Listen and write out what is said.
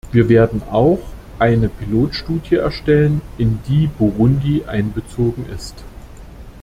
Wir werden auch eine Pilotstudie erstellen, in die Burundi einbezogen ist.